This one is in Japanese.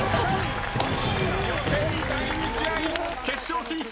予選第２試合決勝進出